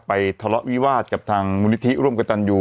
ทะเลาะวิวาสกับทางมูลนิธิร่วมกับตันยู